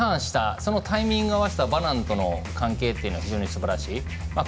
そのタイミング合わせたバランとの関係というのがすばらしい。